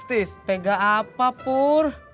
tega apa pur